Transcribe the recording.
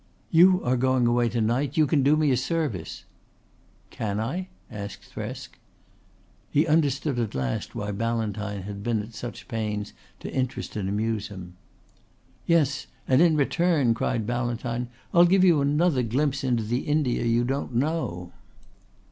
"You are going away to night. You can do me a service." "Can I?" asked Thresk. He understood at last why Ballantyne had been at such pains to interest and amuse him. "Yes. And in return," cried Ballantyne, "I'll give you another glimpse into the India you don't know."